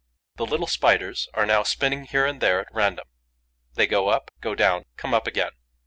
The little Spiders are now spinning here and there at random: they go up, go down, come up again.